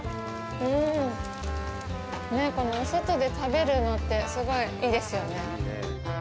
お外で食べるのってすごい、いいですよね。